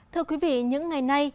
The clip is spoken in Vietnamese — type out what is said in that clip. thưa quý vị những ngày nay